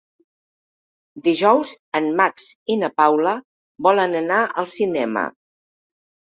Dijous en Max i na Paula volen anar al cinema.